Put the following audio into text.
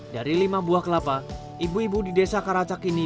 dari lima buah kelapa ibu ibu di desa karacak ini